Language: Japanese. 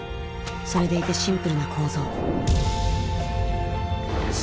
それでいてシンプルな構造。